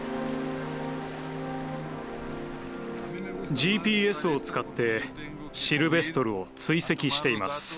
ＧＰＳを使ってシルベストルを追跡しています。